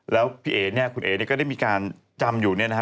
แล้วพี่เอ๋นี่คุณเอ๋นก็ได้มีการจำอยู่นะครับ